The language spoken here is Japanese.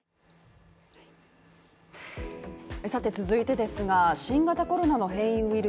さて続いてですが新型コロナの変異ウイル